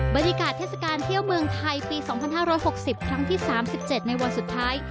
บริการเทศกาลเที่ยวเมืองไทยปีสองพันห้าร้อยหกสิบครั้งที่สามสิบเจ็ดในวันสุดท้าย